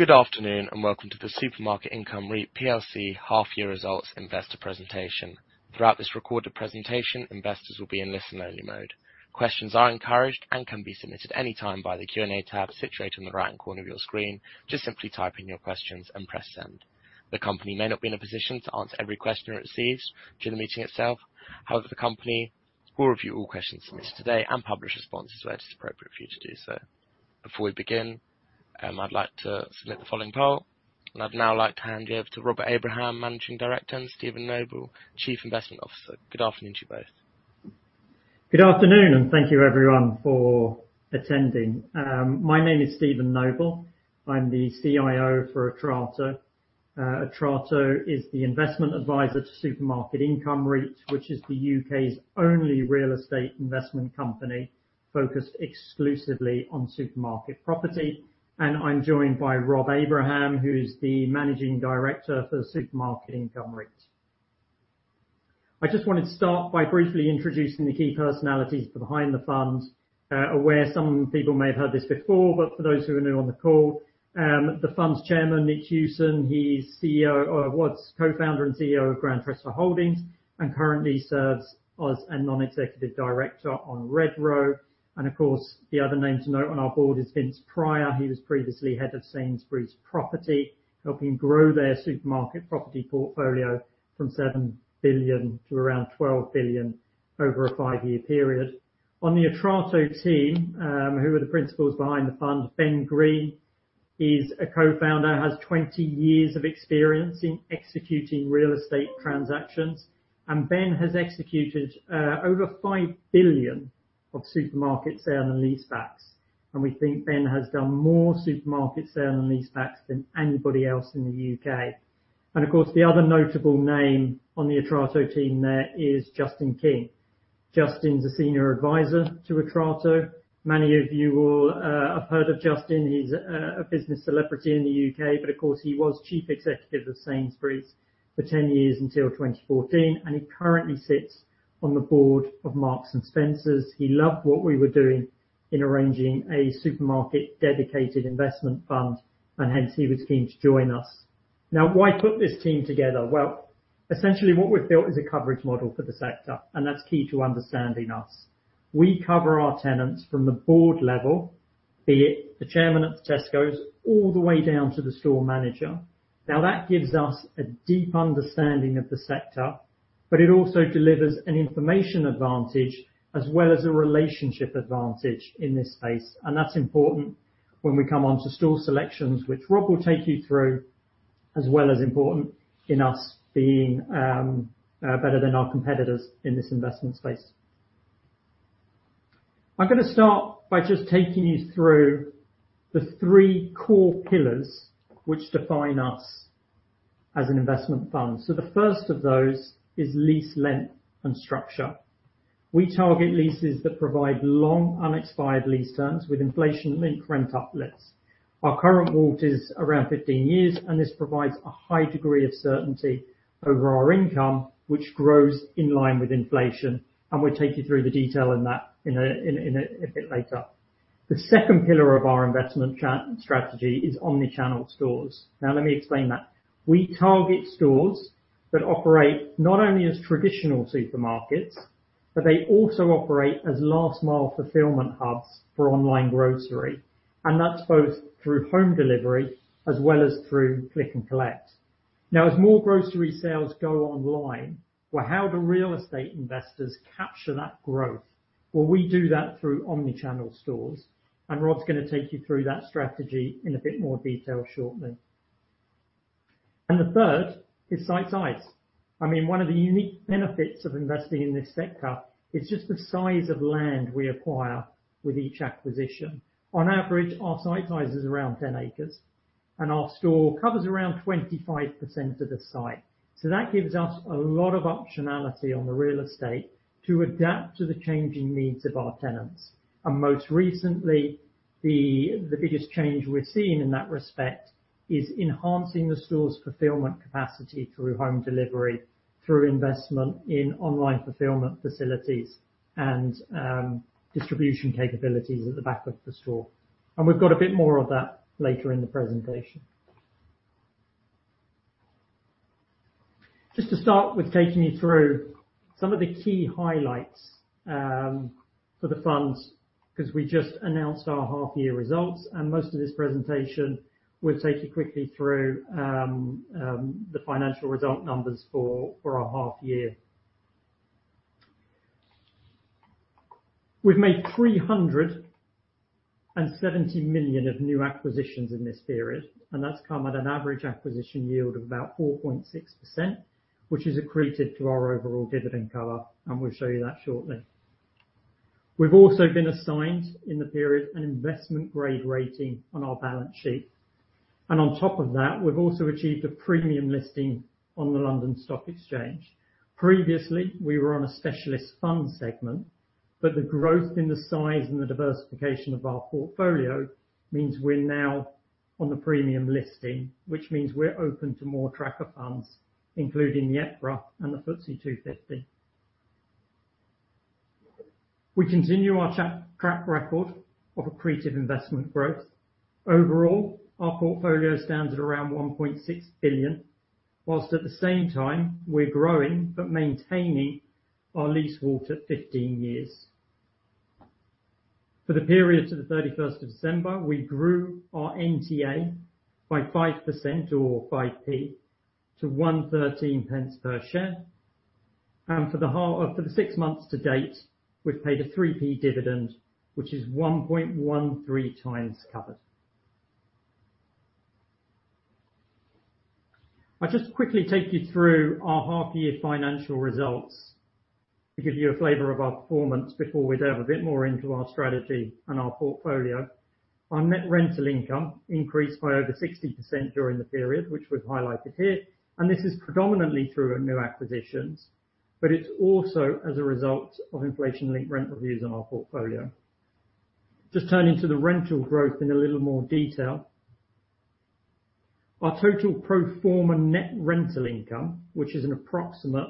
Good afternoon, and welcome to the Supermarket Income REIT plc half year results investor presentation. Throughout this recorded presentation, investors will be in listen-only mode. Questions are encouraged and can be submitted anytime by the Q&A tab situated in the right corner of your screen. Just simply type in your questions and press send. The company may not be in a position to answer every question it receives during the meeting itself. However, the company will review all questions submitted today and publish responses where it is appropriate for you to do so. Before we begin, I'd like to submit the following poll, and I'd now like to hand you over to Rob Abraham, Managing Director, and Steven Noble, Chief Investment Officer. Good afternoon to you both. Good afternoon, and thank you everyone for attending. My name is Steven Noble. I'm the CIO for Atrato. Atrato is the investment advisor to Supermarket Income REIT, which is the U.K.'s only real estate investment company focused exclusively on supermarket property. I'm joined by Rob Abraham, who's the Managing Director for the Supermarket Income REIT. I just wanted to start by briefly introducing the key personalities behind the fund. I'm aware some people may have heard this before, but for those who are new on the call, the fund's chairman, Nick Hewson, he was Co-founder and CEO of Grantchester Holdings, and currently serves as a Non-Executive Director on Redrow. Of course, the other name to note on our board is Vince Prior. He was previously head of Sainsbury's property, helping grow their supermarket property portfolio from 7 billion to around 12 billion over a five-year period. On the Atrato team, who are the principals behind the fund, Ben Green is a Co-founder, has 20 years of experience in executing real estate transactions. Ben has executed over 5 billion of supermarket sale and lease backs. We think Ben has done more supermarket sale and lease backs than anybody else in the U.K. Of course, the other notable name on the Atrato team there is Justin King. Justin's a Senior Advisor to Atrato. Many of you will have heard of Justin. He's a business celebrity in the U.K., but of course, he was Chief Executive of Sainsbury's for 10 years until 2014, and he currently sits on the board of Marks & Spencer. He loved what we were doing in arranging a supermarket-dedicated investment fund, and hence he was keen to join us. Now, why put this team together? Well, essentially what we've built is a coverage model for the sector, and that's key to understanding us. We cover our tenants from the board level, be it the chairman of Tesco, all the way down to the store manager. Now, that gives us a deep understanding of the sector, but it also delivers an information advantage as well as a relationship advantage in this space. That's important when we come onto store selections, which Rob will take you through, as well as important in us being better than our competitors in this investment space. I'm gonna start by just taking you through the three core pillars which define us as an investment fund. The first of those is lease length and structure. We target leases that provide long, unexpired lease terms with inflation-linked rent uplifts. Our current WALT is around 15 years, and this provides a high degree of certainty over our income, which grows in line with inflation, and we'll take you through the detail in that in a bit later. The second pillar of our investment strategy is omnichannel stores. Now, let me explain that. We target stores that operate not only as traditional supermarkets, but they also operate as last mile fulfillment hubs for online grocery. That's both through home delivery as well as through click and collect. Now, as more grocery sales go online, well, how do real estate investors capture that growth? Well, we do that through omnichannel stores, and Rob's gonna take you through that strategy in a bit more detail shortly. The third is site size. I mean, one of the unique benefits of investing in this sector is just the size of land we acquire with each acquisition. On average, our site size is around 10 acres, and our store covers around 25% of the site. That gives us a lot of optionality on the real estate to adapt to the changing needs of our tenants. Most recently, the biggest change we're seeing in that respect is enhancing the store's fulfillment capacity through home delivery, through investment in online fulfillment facilities and distribution capabilities at the back of the store. We've got a bit more on that later in the presentation. Just to start with taking you through some of the key highlights for the funds, 'cause we just announced our half year results, and most of this presentation will take you quickly through the financial result numbers for our half year. We've made 370 million of new acquisitions in this period, and that's come at an average acquisition yield of about 4.6%, which is accretive to our overall dividend cover, and we'll show you that shortly. We've also been assigned in the period an investment grade rating on our balance sheet. On top of that, we've also achieved a premium listing on the London Stock Exchange. Previously, we were on a specialist fund segment, but the growth in the size and the diversification of our portfolio means we're now on the premium listing, which means we're open to more tracker funds, including the EPRA and the FTSE 250. We continue our track record of accretive investment growth. Overall, our portfolio stands at around 1.6 billion, while at the same time we're growing but maintaining our WALT to 15 years. For the period to the thirty-first of December, we grew our NTA by 5% or 5p to 113p per share. For the six months to date, we've paid a 3p dividend, which is 1.13 times covered. I'll just quickly take you through our half year financial results to give you a flavor of our performance before we delve a bit more into our strategy and our portfolio. Our net rental income increased by over 60% during the period, which was highlighted here, and this is predominantly through new acquisitions, but it's also as a result of inflation-linked rent reviews on our portfolio. Just turning to the rental growth in a little more detail. Our total pro forma net rental income, which is an approximate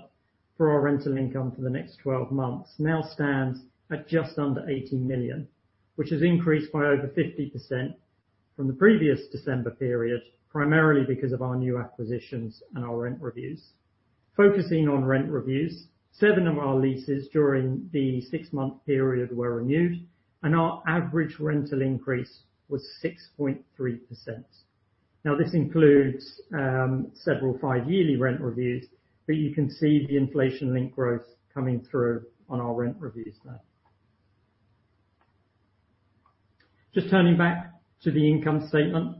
for our rental income for the next 12 months, now stands at just under 80 million, which has increased by over 50% from the previous December period, primarily because of our new acquisitions and our rent reviews. Focusing on rent reviews, seven of our leases during the six-month period were renewed, and our average rental increase was 6.3%. Now, this includes several five-yearly rent reviews, but you can see the inflation link growth coming through on our rent reviews there. Just turning back to the income statement.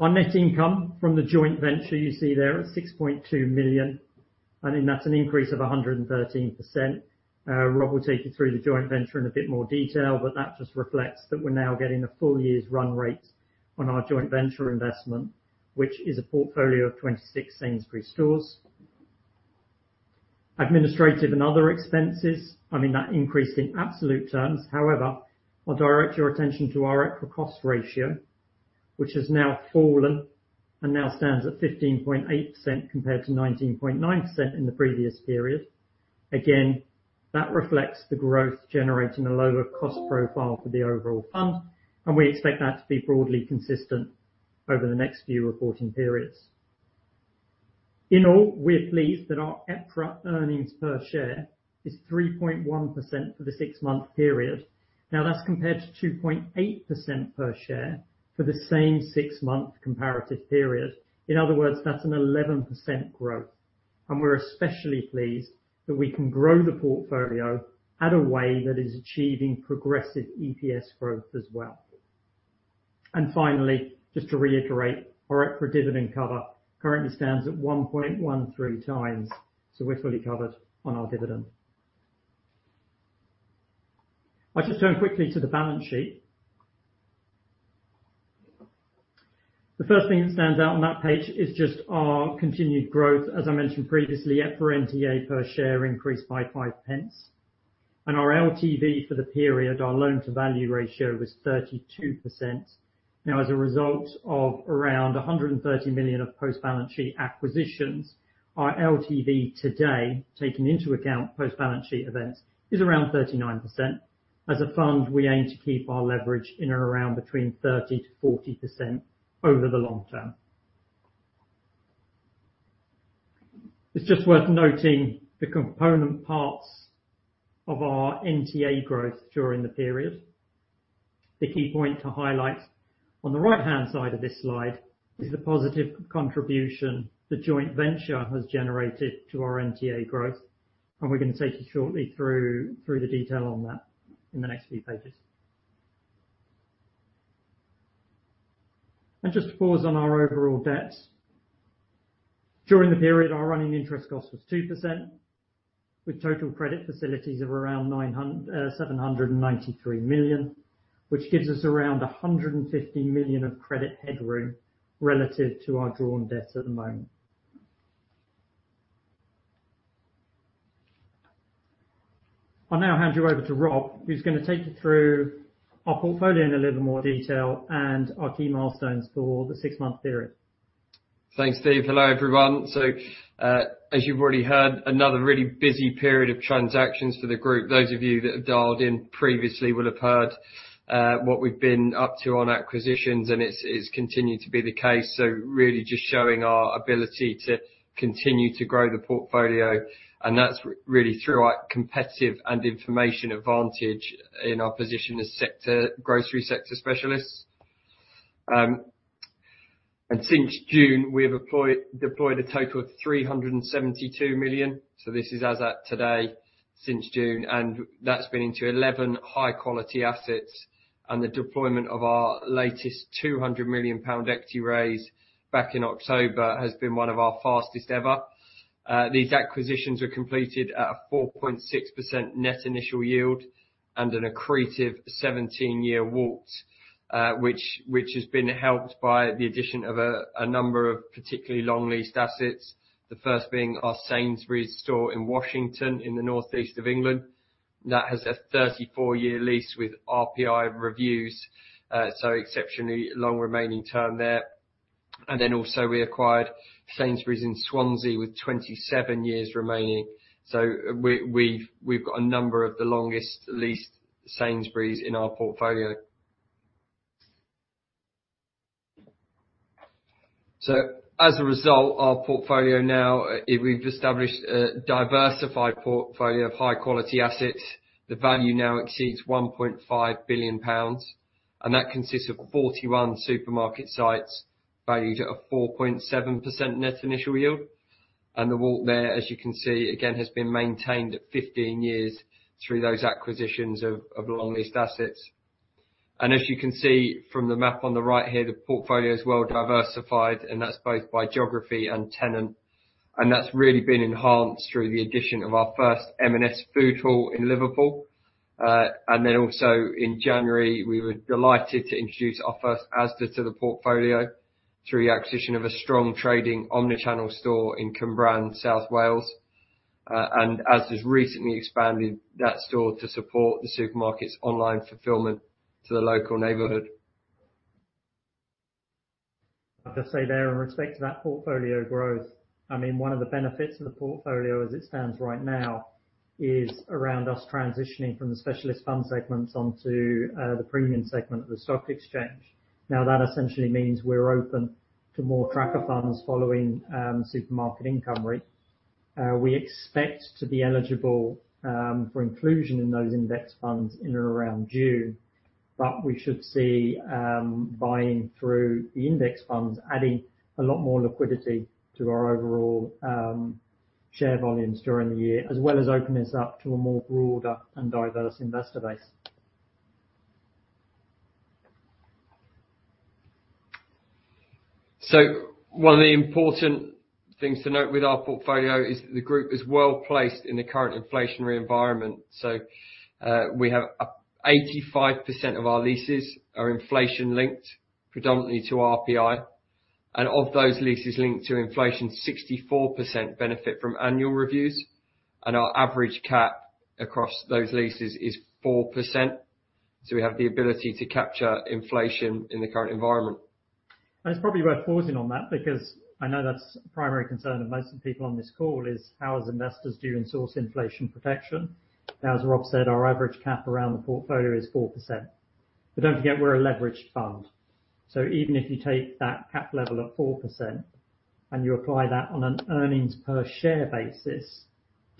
Our net income from the joint venture you see there at 6.2 million, I mean, that's an increase of 113%. Rob will take you through the joint venture in a bit more detail, but that just reflects that we're now getting a full year's run rate on our joint venture investment, which is a portfolio of 26 Sainsbury's stores. Administrative and other expenses, I mean, that increased in absolute terms. However, I'll direct your attention to our EPRA cost ratio, which has now fallen and now stands at 15.8% compared to 19.9% in the previous period. Again, that reflects the growth generating a lower cost profile for the overall fund, and we expect that to be broadly consistent over the next few reporting periods. In all, we're pleased that our EPRA earnings per share is 3.1% for the six-month period. Now, that's compared to 2.8% per share for the same six-month comparative period. In other words, that's an 11% growth. We're especially pleased that we can grow the portfolio in a way that is achieving progressive EPS growth as well. Finally, just to reiterate, our EPRA dividend cover currently stands at 1.13x, so we're fully covered on our dividend. I'll just turn quickly to the balance sheet. The first thing that stands out on that page is just our continued growth. As I mentioned previously, EPRA NTA per share increased by 5p, and our LTV for the period, our loan to value ratio was 32%. Now, as a result of around 130 million of post-balance sheet acquisitions, our LTV today, taking into account post-balance sheet events, is around 39%. As a fund, we aim to keep our leverage in or around between 30%-40% over the long term. It's just worth noting the component parts of our NTA growth during the period. The key point to highlight on the right-hand side of this slide is the positive contribution the joint venture has generated to our NTA growth, and we're going to take you shortly through the detail on that in the next few pages. Just to pause on our overall debts. During the period, our running interest cost was 2%, with total credit facilities of around 793 million, which gives us around 150 million of credit headroom relative to our drawn debts at the moment. I'll now hand you over to Rob, who's gonna take you through our portfolio in a little more detail and our key milestones for the six-month period. Thanks, Steve. Hello, everyone. As you've already heard, another really busy period of transactions for the group. Those of you that have dialed in previously will have heard what we've been up to on acquisitions, and it's continued to be the case. Really just showing our ability to continue to grow the portfolio, and that's really through our competitive and information advantage in our position as sector, grocery sector specialists. Since June, we have deployed a total of 372 million. This is as at today, since June, and that's been into 11 high-quality assets. The deployment of our latest 200 million pound equity raise back in October has been one of our fastest ever. These acquisitions were completed at a 4.6% net initial yield and an accretive 17-year WALT, which has been helped by the addition of a number of particularly long leased assets. The first being our Sainsbury's store in Washington in the northeast of England. That has a 34-year lease with RPI reviews, so exceptionally long remaining term there. We acquired Sainsbury's in Swansea with 27 years remaining. We've got a number of the longest leased Sainsbury's in our portfolio. As a result, our portfolio now we've established a diversified portfolio of high quality assets. The value now exceeds 1.5 billion pounds, and that consists of 41 supermarket sites valued at a 4.7% net initial yield. The WALT there, as you can see, again, has been maintained at 15 years through those acquisitions of long-leased assets. As you can see from the map on the right here, the portfolio is well diversified, and that's both by geography and tenant. That's really been enhanced through the addition of our first M&S food hall in Liverpool. Then also in January, we were delighted to introduce our first Asda to the portfolio through the acquisition of a strong trading omnichannel store in Cwmbran, South Wales. Asda's recently expanded that store to support the supermarket's online fulfillment to the local neighborhood. I'll just say there in respect to that portfolio growth. I mean, one of the benefits of the portfolio as it stands right now is around us transitioning from the specialist fund segments onto the premium segment of the stock exchange. Now, that essentially means we're open to more tracker funds following Supermarket Income REIT. We expect to be eligible for inclusion in those index funds in or around June, but we should see buying through the index funds, adding a lot more liquidity to our overall share volumes during the year, as well as open this up to a more broader and diverse investor base. One of the important things to note with our portfolio is the group is well-placed in the current inflationary environment. We have 85% of our leases are inflation-linked, predominantly to RPI. Of those leases linked to inflation, 64% benefit from annual reviews, and our average cap across those leases is 4%. We have the ability to capture inflation in the current environment. It's probably worth pausing on that because I know that's a primary concern of most of the people on this call is how investors source inflation protection. As Rob said, our average cap around the portfolio is 4%. Don't forget, we're a leveraged fund. Even if you take that cap level at 4% and you apply that on an earnings per share basis,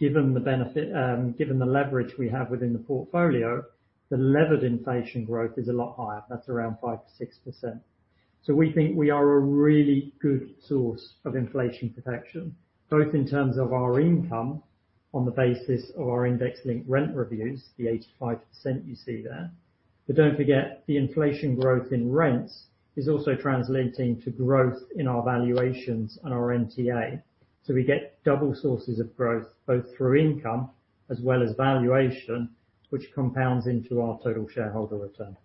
given the benefit, given the leverage we have within the portfolio, the levered inflation growth is a lot higher. That's around 5%-6%. We think we are a really good source of inflation protection, both in terms of our income on the basis of our index linked rent reviews, the 85% you see there. Don't forget, the inflation growth in rents is also translating to growth in our valuations and our NTA. We get double sources of growth, both through income as well as valuation, which compounds into our total shareholder return.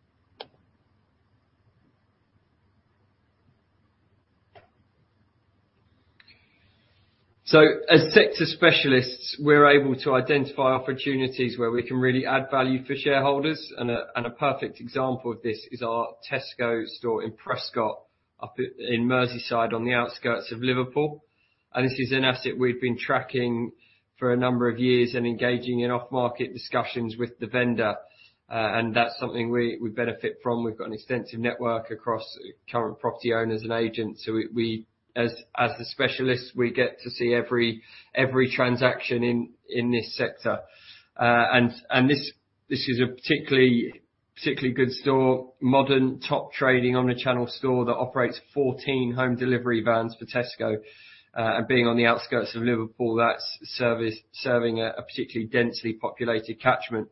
As sector specialists, we're able to identify opportunities where we can really add value for shareholders. A perfect example of this is our Tesco store in Prescot in Merseyside on the outskirts of Liverpool. This is an asset we've been tracking for a number of years and engaging in off-market discussions with the vendor. That's something we benefit from. We've got an extensive network across current property owners and agents. We, as the specialists, we get to see every transaction in this sector. This is a particularly good store, modern top trading omnichannel store that operates 14 home delivery vans for Tesco. Being on the outskirts of Liverpool, that's serving a particularly densely populated catchment.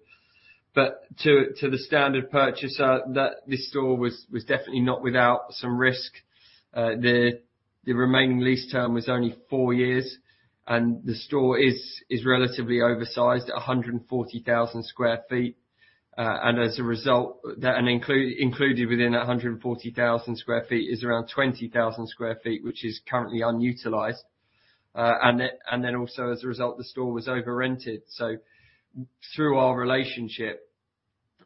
To the standard purchaser, this store was definitely not without some risk. The remaining lease term was only four years, and the store is relatively oversized at 140,000 sq ft. As a result, included within that 140,000 sq ft is around 20,000 sq ft, which is currently unutilized. Also as a result, the store was over-rented. Through our relationship,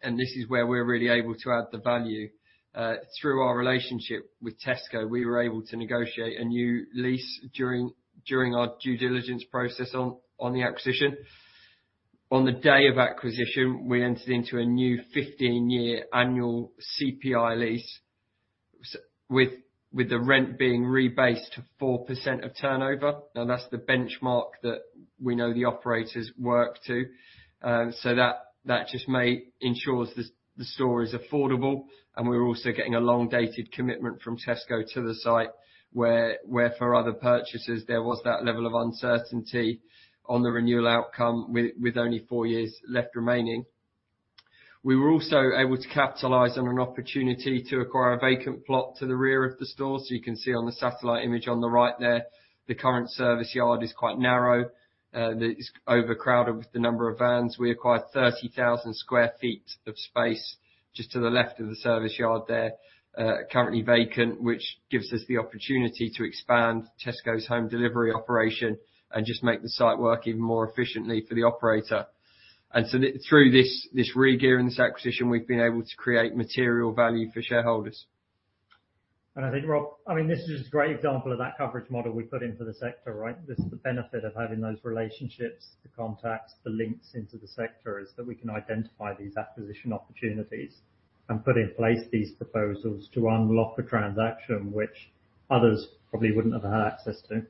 and this is where we're really able to add the value, through our relationship with Tesco, we were able to negotiate a new lease during our due diligence process on the acquisition. On the day of acquisition, we entered into a new 15-year annual CPI lease with the rent being rebased to 4% of turnover. Now, that's the benchmark that we know the operators work to. That ensures the store is affordable, and we're also getting a long-dated commitment from Tesco to the site where for other purchasers, there was that level of uncertainty on the renewal outcome with only four years left remaining. We were also able to capitalize on an opportunity to acquire a vacant plot to the rear of the store. You can see on the satellite image on the right there, the current service yard is quite narrow. That is overcrowded with the number of vans. We acquired 30,000 sq ft of space just to the left of the service yard there, currently vacant, which gives us the opportunity to expand Tesco's home delivery operation and just make the site work even more efficiently for the operator. Through this regear and this acquisition, we've been able to create material value for shareholders. I think, Rob, I mean, this is just a great example of that coverage model we put in for the sector, right? This is the benefit of having those relationships, the contacts, the links into the sector is that we can identify these acquisition opportunities and put in place these proposals to unlock the transaction which others probably wouldn't have access to.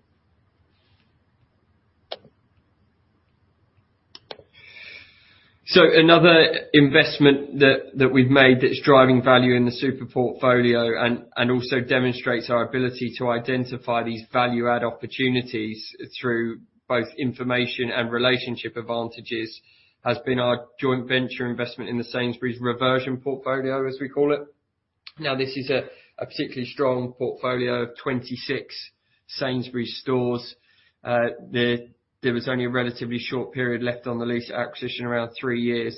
Another investment that we've made that's driving value in the Super portfolio and also demonstrates our ability to identify these value add opportunities through both information and relationship advantages has been our joint venture investment in the Sainsbury's reversion portfolio, as we call it. Now, this is a particularly strong portfolio of 26 Sainsbury's stores. There was only a relatively short period left on the lease acquisition, around three years.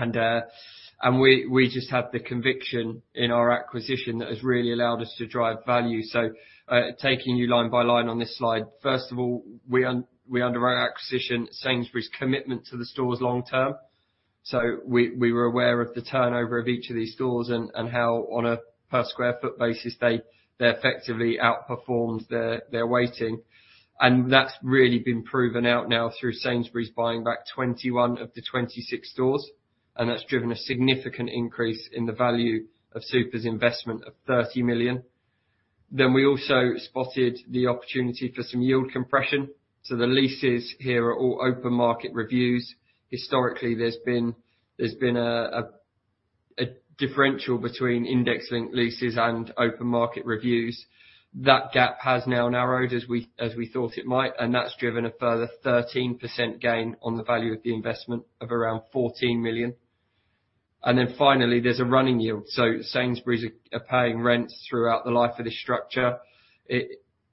We just had the conviction in our acquisition that has really allowed us to drive value. Taking you line by line on this slide. First of all, we underwrite acquisition Sainsbury's commitment to the stores long term. We were aware of the turnover of each of these stores and how on a per square foot basis they effectively outperformed their weighting. That's really been proven out now through Sainsbury's buying back 21 of the 26 stores. That's driven a significant increase in the value of Super's investment of 30 million. We also spotted the opportunity for some yield compression. The leases here are all open market reviews. Historically, there's been a differential between indexing leases and open market reviews. That gap has now narrowed as we thought it might, and that's driven a further 13% gain on the value of the investment of around 14 million. Finally, there's a running yield. Sainsbury's are paying rents throughout the life of this structure.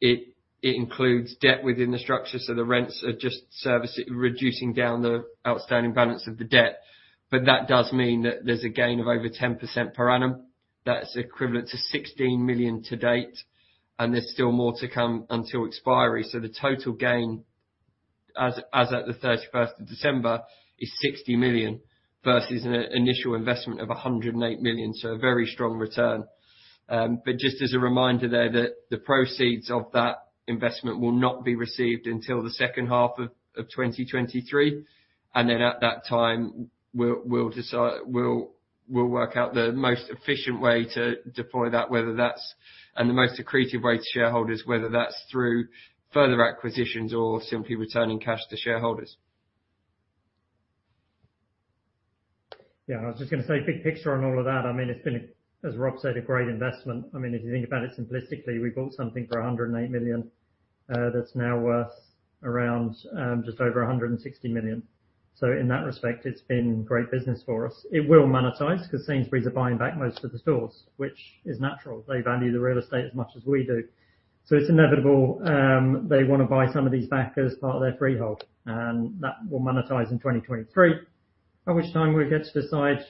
It includes debt within the structure, so the rents are just servicing, reducing down the outstanding balance of the debt. That does mean that there's a gain of over 10% per annum. That's equivalent to 16 million to date, and there's still more to come until expiry. The total gain as at the 31st of December is 60 million versus an initial investment of 108 million. A very strong return. But just as a reminder there that the proceeds of that investment will not be received until the second half of 2023. Then at that time, we'll work out the most efficient way to deploy that, whether that's and the most accretive way to shareholders, whether that's through further acquisitions or simply returning cash to shareholders. Yeah, I was just gonna say big picture on all of that, I mean, it's been, as Rob said, a great investment. I mean, if you think about it simplistically, we bought something for 108 million, that's now worth around just over 160 million. So in that respect, it's been great business for us. It will monetize 'cause Sainsbury's are buying back most of the stores, which is natural. They value the real estate as much as we do. So it's inevitable, they wanna buy some of these back as part of their freehold, and that will monetize in 2023. By which time we'll get to decide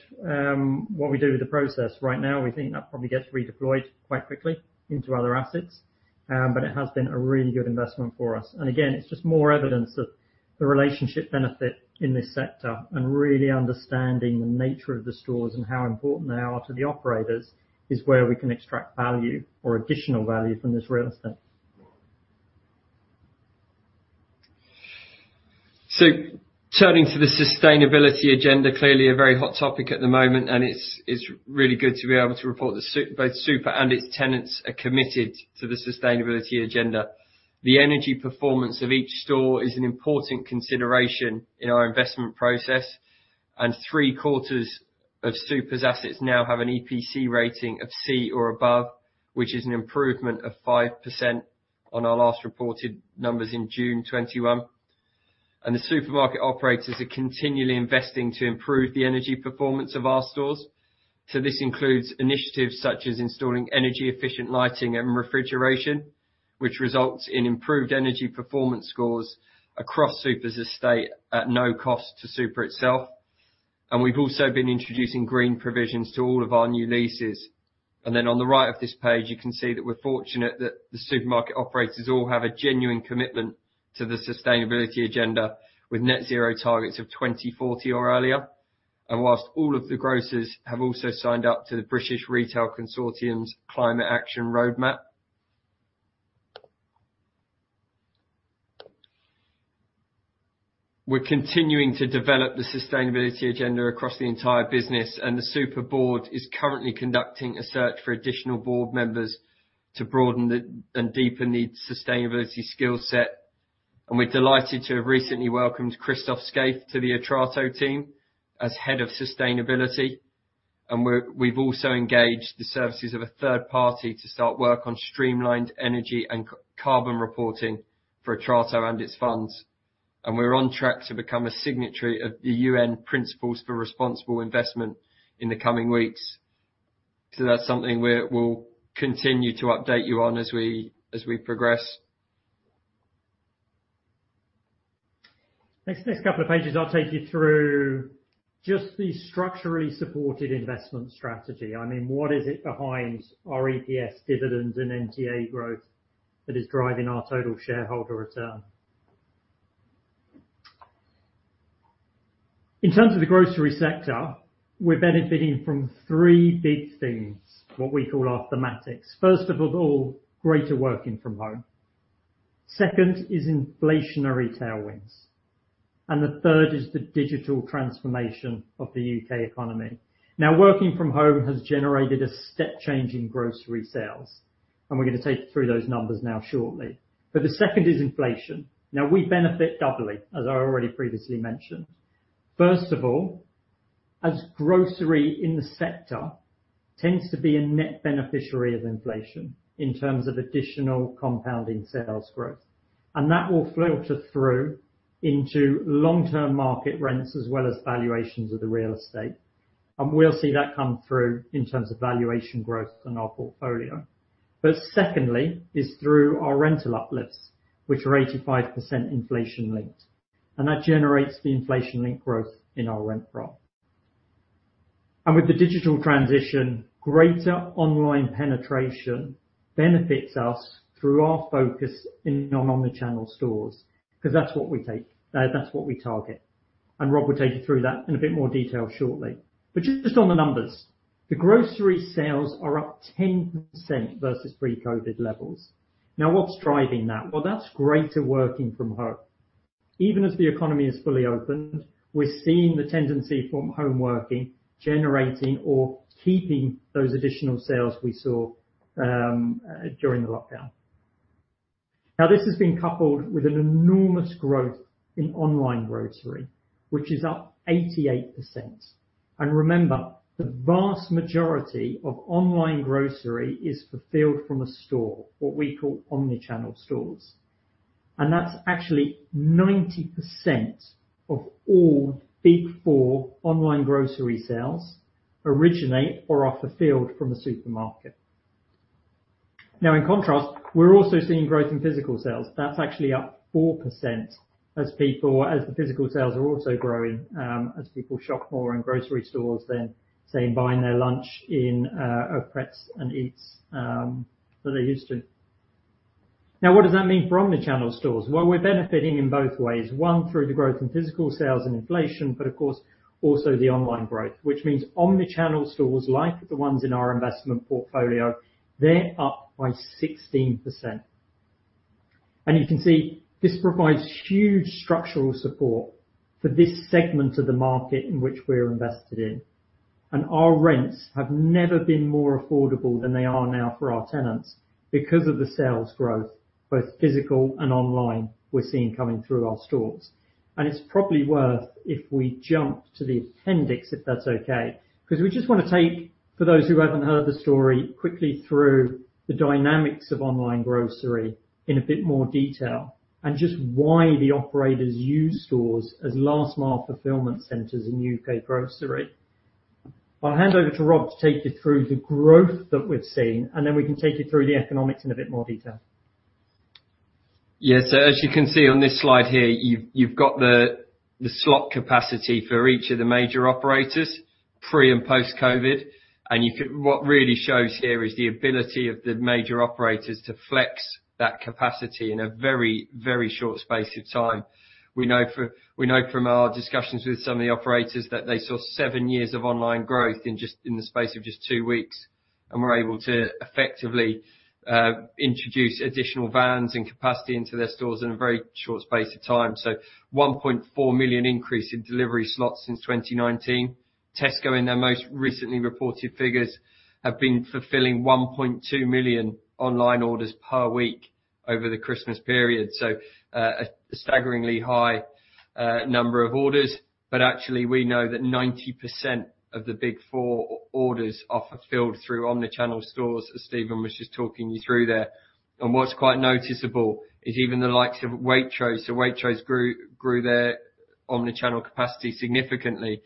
what we do with the process. Right now, we think that probably gets redeployed quite quickly into other assets. It has been a really good investment for us. Again, it's just more evidence that the relationship benefit in this sector and really understanding the nature of the stores and how important they are to the operators, is where we can extract value or additional value from this real estate. Turning to the sustainability agenda, clearly a very hot topic at the moment, and it's really good to be able to report both Super and its tenants are committed to the sustainability agenda. The energy performance of each store is an important consideration in our investment process, and 3/4 of Super's assets now have an EPC rating of C or above, which is an improvement of 5% on our last reported numbers in June 2021. The supermarket operators are continually investing to improve the energy performance of our stores. This includes initiatives such as installing energy efficient lighting and refrigeration, which results in improved energy performance scores across Super's estate at no cost to Super itself. We've also been introducing green provisions to all of our new leases. On the right of this page, you can see that we're fortunate that the supermarket operators all have a genuine commitment to the sustainability agenda with net zero targets of 2040 or earlier, while all of the grocers have also signed up to the British Retail Consortium's Climate Action Roadmap. We're continuing to develop the sustainability agenda across the entire business, and the Super board is currently conducting a search for additional board members to broaden the, and deepen the sustainability skill set. We're delighted to have recently welcomed Christoph Scaife to the Atrato team as Head of Sustainability. We've also engaged the services of a third party to start work on streamlined energy and carbon reporting for Atrato and its funds. We're on track to become a signatory of the UN Principles for Responsible Investment in the coming weeks. That's something we'll continue to update you on as we progress. Next couple of pages I'll take you through just the structurally supported investment strategy. I mean, what is it behind our EPS dividends and NTA growth that is driving our total shareholder return? In terms of the grocery sector, we're benefiting from three big things, what we call our thematics. First of all, greater working from home. Second is inflationary tailwinds, and the third is the digital transformation of the U.K. economy. Now, working from home has generated a step change in grocery sales, and we're gonna take you through those numbers now shortly. The second is inflation. Now, we benefit doubly, as I already previously mentioned. First of all, as grocery in the sector tends to be a net beneficiary of inflation in terms of additional compounding sales growth. That will filter through into long-term market rents, as well as valuations of the real estate. We'll see that come through in terms of valuation growth in our portfolio. Secondly is through our rental uplifts, which are 85% inflation-linked. That generates the inflation link growth in our rent roll. With the digital transition, greater online penetration benefits us through our focus in and on omnichannel stores, 'cause that's what we take. That's what we target. Rob will take you through that in a bit more detail shortly. Just on the numbers, the grocery sales are up 10% versus pre-COVID levels. Now, what's driving that? Well, that's greater working from home. Even as the economy has fully opened, we're seeing the tendency from home working, generating or keeping those additional sales we saw, during the lockdown. Now, this has been coupled with an enormous growth in online grocery, which is up 88%. Remember, the vast majority of online grocery is fulfilled from a store, what we call omnichannel stores. That's actually 90% of all Big Four online grocery sales originate or are fulfilled from the supermarket. Now, in contrast, we're also seeing growth in physical sales. That's actually up 4% as the physical sales are also growing, as people shop more in grocery stores than, say, buying their lunch in a Pret and EAT, that they used to. Now, what does that mean for omnichannel stores? Well, we're benefiting in both ways. One, through the growth in physical sales and inflation, but of course, also the online growth, which means omnichannel stores like the ones in our investment portfolio, they're up by 16%. You can see this provides huge structural support for this segment of the market in which we're invested in. Our rents have never been more affordable than they are now for our tenants because of the sales growth, both physical and online, we're seeing coming through our stores. It's probably worth if we jump to the appendix, if that's okay, 'cause we just wanna take, for those who haven't heard the story, quickly through the dynamics of online grocery in a bit more detail and just why the operators use stores as last mile fulfillment centers in U.K. grocery. I'll hand over to Rob to take you through the growth that we've seen, and then we can take you through the economics in a bit more detail. Yes. As you can see on this slide here, you've got the slot capacity for each of the major operators, pre and post COVID. What really shows here is the ability of the major operators to flex that capacity in a very, very short space of time. We know from our discussions with some of the operators that they saw seven years of online growth in the space of just two weeks, and were able to effectively introduce additional vans and capacity into their stores in a very short space of time. 1.4 million increase in delivery slots since 2019. Tesco, in their most recently reported figures, have been fulfilling 1.2 million online orders per week over the Christmas period. A staggeringly high number of orders. Actually, we know that 90% of the Big Four orders are fulfilled through omnichannel stores, as Steven was just talking you through there. What's quite noticeable is even the likes of Waitrose. Waitrose grew their omnichannel capacity significantly,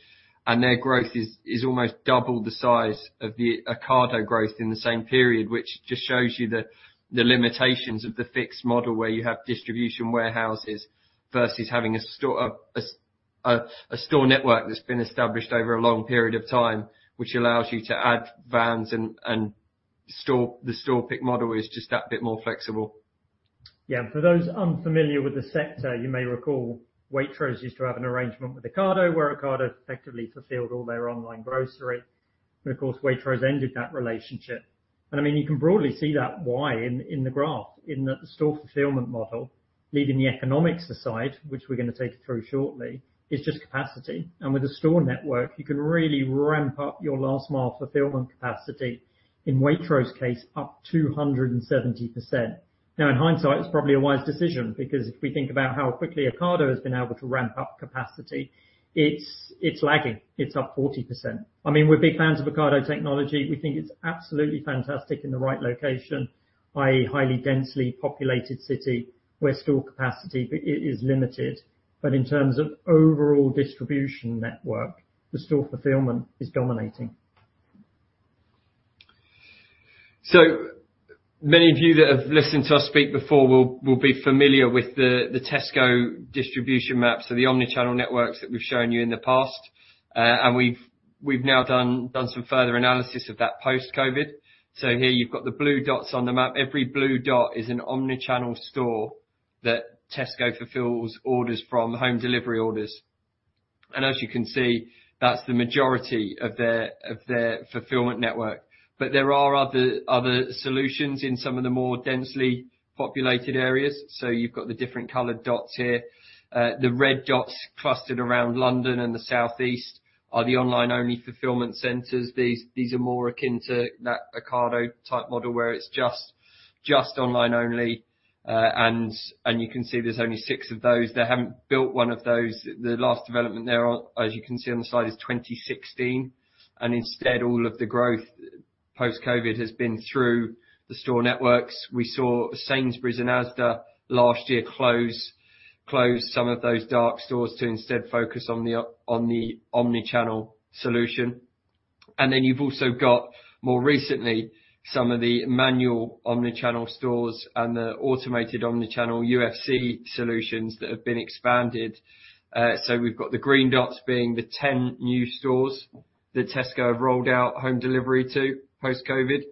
and their growth is almost double the size of the Ocado growth in the same period, which just shows you the limitations of the fixed model where you have distribution warehouses versus having a store network that's been established over a long period of time, which allows you to add vans and store. The store pick model is just that bit more flexible. Yeah. For those unfamiliar with the sector, you may recall Waitrose used to have an arrangement with Ocado where Ocado effectively fulfilled all their online grocery. Of course, Waitrose ended that relationship. I mean, you can broadly see that's why in the graph, in the store fulfillment model, leaving the economics aside, which we're gonna take you through shortly, is just capacity. With the store network, you can really ramp up your last mile fulfillment capacity, in Waitrose case, up 270%. Now, in hindsight, it's probably a wise decision, because if we think about how quickly Ocado has been able to ramp up capacity, it's lagging. It's up 40%. I mean, we're big fans of Ocado technology. We think it's absolutely fantastic in the right location, i.e., highly densely populated city where store capacity is limited. In terms of overall distribution network, the store fulfillment is dominating. Many of you that have listened to us speak before will be familiar with the Tesco distribution map, so the omnichannel networks that we've shown you in the past. We've now done some further analysis of that post-COVID. Here you've got the blue dots on the map. Every blue dot is an omnichannel store that Tesco fulfills home delivery orders from. As you can see, that's the majority of their fulfillment network. There are other solutions in some of the more densely populated areas. You've got the different colored dots here. The red dots clustered around London and the South East are the online-only fulfillment centers. These are more akin to that Ocado type model where it's just online only. You can see there's only six of those. The last development there, as you can see on the slide, is 2016, and instead all of the growth post-COVID has been through the store networks. We saw Sainsbury's and Asda last year close some of those dark stores to instead focus on the omnichannel solution. You've also got, more recently, some of the manual omnichannel stores and the automated omnichannel UFC solutions that have been expanded. We've got the green dots being the 10 new stores that Tesco have rolled out home delivery to post-COVID.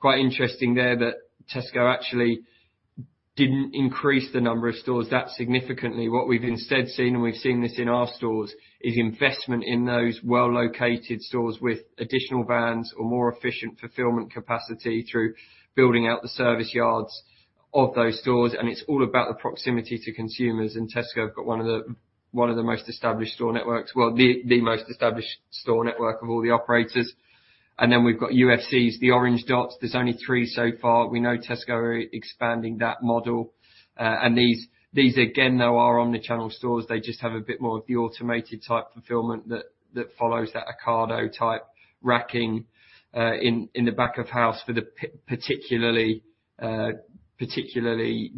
Quite interesting there that Tesco actually didn't increase the number of stores that significantly. What we've instead seen, and we've seen this in our stores, is investment in those well-located stores with additional vans or more efficient fulfillment capacity through building out the service yards of those stores. It's all about the proximity to consumers, and Tesco have got one of the most established store networks, well, the most established store network of all the operators. Then we've got UFCs, the orange dots. There's only three so far. We know Tesco are expanding that model. These again, though, are omnichannel stores, they just have a bit more of the automated type fulfillment that follows that Ocado type racking, in the back of house for the particularly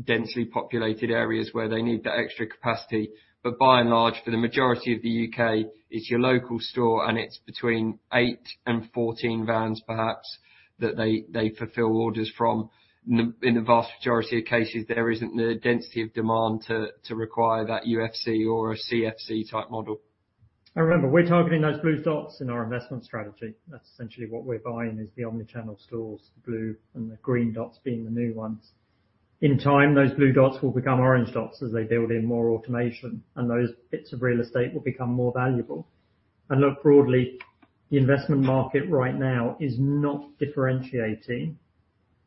densely populated areas where they need that extra capacity. By and large, for the majority of the U.K., it's your local store, and it's between eight and 14 vans, perhaps, that they fulfill orders from. In the vast majority of cases, there isn't the density of demand to require that UFC or a CFC type model. Remember, we're targeting those blue dots in our investment strategy. That's essentially what we're buying is the omnichannel stores, the blue and the green dots being the new ones. In time, those blue dots will become orange dots as they build in more automation, and those bits of real estate will become more valuable. Look, broadly, the investment market right now is not differentiating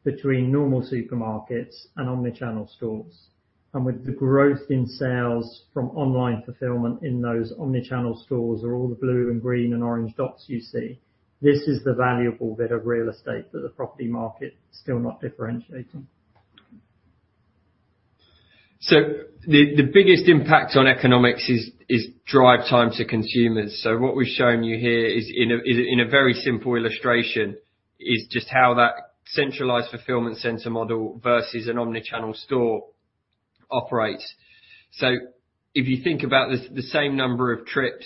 between normal supermarkets and omnichannel stores. With the growth in sales from online fulfillment in those omnichannel stores are all the blue and green and orange dots you see, this is the valuable bit of real estate that the property market is still not differentiating. The biggest impact on economics is drive time to consumers. What we've shown you here is in a very simple illustration is just how that centralized fulfillment center model versus an omnichannel store operates. If you think about this, the same number of trips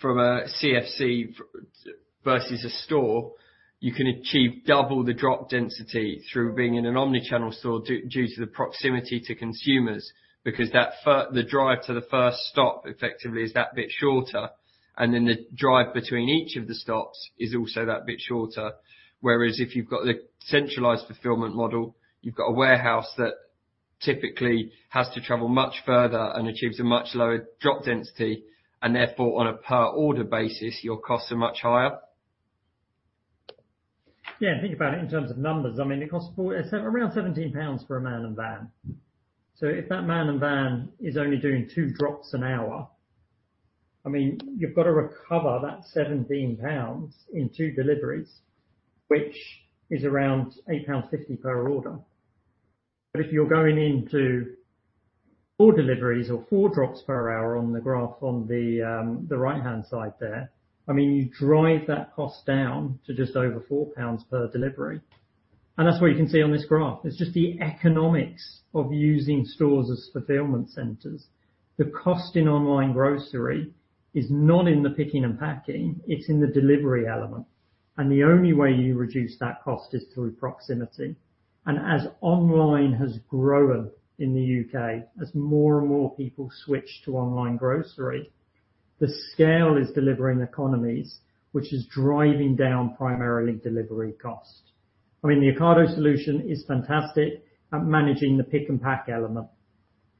from a CFC versus a store, you can achieve double the drop density through being in an omnichannel store due to the proximity to consumers, because the drive to the first stop effectively is that bit shorter, and then the drive between each of the stops is also that bit shorter. Whereas if you've got the centralized fulfillment model, you've got a warehouse that typically has to travel much further and achieves a much lower drop density, and therefore, on a per order basis, your costs are much higher. Yeah, think about it in terms of numbers. I mean, it costs around 17 pounds for a man and van. If that man and van is only doing two drops an hour, I mean, you've got to recover that 17 pounds in two deliveries, which is around 8.50 pounds per order. If you're going into four deliveries or four drops per hour on the graph on the right-hand side there, I mean, you drive that cost down to just over 4 pounds per delivery. That's what you can see on this graph. It's just the economics of using stores as fulfillment centers. The cost in online grocery is not in the picking and packing, it's in the delivery element. The only way you reduce that cost is through proximity. As online has grown in the U.K., as more and more people switch to online grocery, the scale is delivering economies, which is driving down primarily delivery costs. I mean, the Ocado solution is fantastic at managing the pick and pack element,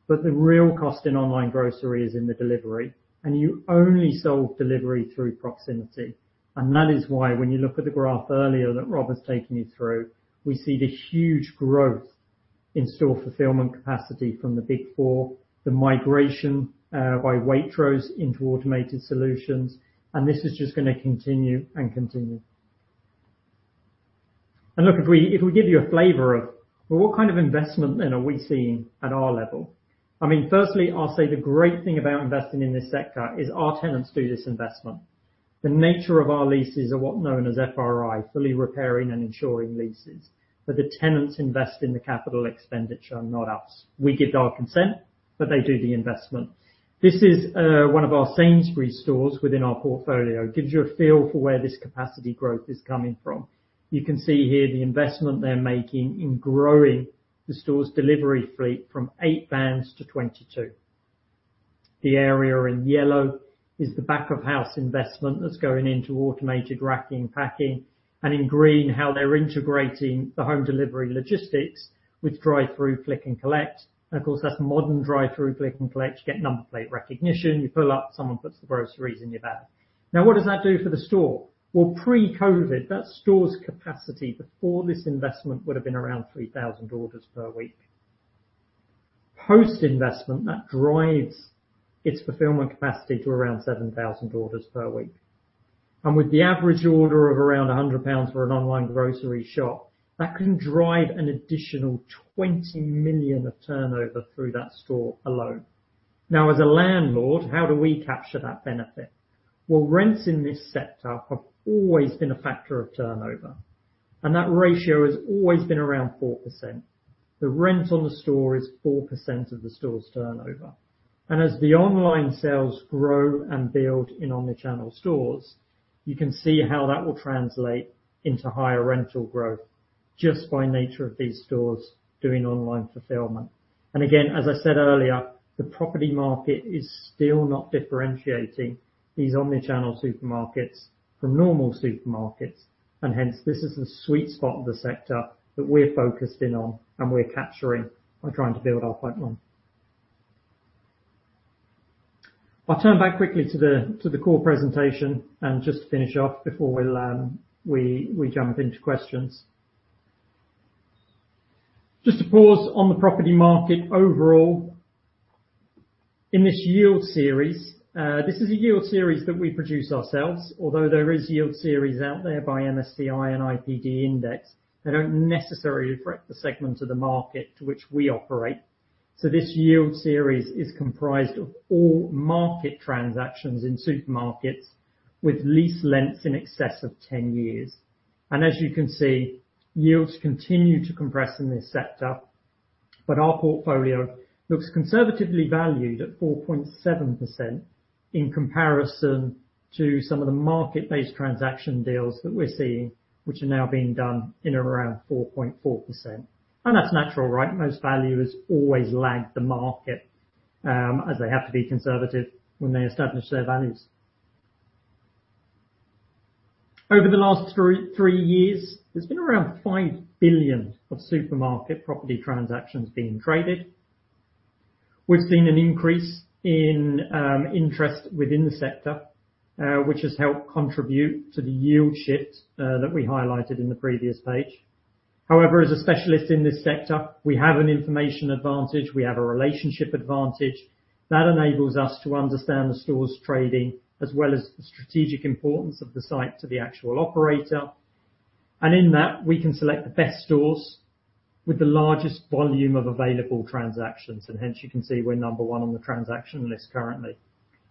but the real cost in online grocery is in the delivery, and you only solve delivery through proximity. That is why when you look at the graph earlier that Robert's taking you through, we see this huge growth in store fulfillment capacity from the Big Four, the migration by Waitrose into automated solutions, and this is just gonna continue and continue. Look, if we give you a flavor of, well, what kind of investment then are we seeing at our level? I mean, firstly, I'll say the great thing about investing in this sector is our tenants do this investment. The nature of our leases are what known as FRI, fully repairing and insuring leases, where the tenants invest in the capital expenditure, not us. We give our consent, but they do the investment. This is one of our Sainsbury's stores within our portfolio. It gives you a feel for where this capacity growth is coming from. You can see here the investment they're making in growing the store's delivery fleet from eight vans to 22. The area in yellow is the back of house investment that's going into automated racking packing, and in green, how they're integrating the home delivery logistics with drive-through click and collect. Of course, that's modern drive-through click and collect. You get number plate recognition, you pull up, someone puts the groceries in your bag. Now, what does that do for the store? Well, pre-COVID, that store's capacity before this investment would have been around 3,000 orders per week. Post-investment, that drives its fulfillment capacity to around 7,000 orders per week. With the average order of around 100 pounds for an online grocery shop, that can drive an additional 20 million of turnover through that store alone. Now, as a landlord, how do we capture that benefit? Well, rents in this sector have always been a factor of turnover, and that ratio has always been around 4%. The rent on the store is 4% of the store's turnover. As the online sales grow and build in omnichannel stores, you can see how that will translate into higher rental growth just by nature of these stores doing online fulfillment. Again, as I said earlier, the property market is still not differentiating these omnichannel supermarkets from normal supermarkets, and hence, this is a sweet spot of the sector that we're focused in on and we're capturing by trying to build our platform. I'll turn back quickly to the core presentation and just finish off before we jump into questions. Just to pause on the property market overall. In this yield series, this is a yield series that we produce ourselves. Although there is yield series out there by MSCI and IPD Index, they don't necessarily reflect the segment of the market to which we operate. This yield series is comprised of all market transactions in supermarkets with lease lengths in excess of 10 years. As you can see, yields continue to compress in this sector, but our portfolio looks conservatively valued at 4.7% in comparison to some of the market-based transaction deals that we're seeing, which are now being done in around 4.4%. That's natural, right? Most valuers always lag the market, as they have to be conservative when they establish their values. Over the last three years, there's been around 5 billion of supermarket property transactions being traded. We've seen an increase in interest within the sector, which has helped contribute to the yield shift that we highlighted in the previous page. However, as a specialist in this sector, we have an information advantage, we have a relationship advantage that enables us to understand the store's trading as well as the strategic importance of the site to the actual operator. In that, we can select the best stores with the largest volume of available transactions, and hence you can see we're number one on the transaction list currently.